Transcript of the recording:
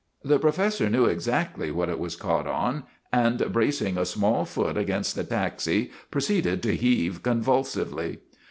The professor knew exactly what it was caught on, and bracing a small foot against the taxi pro ceeded to heave convulsively.